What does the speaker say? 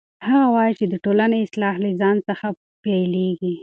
هغه وایي چې د ټولنې اصلاح له ځان څخه پیلیږي.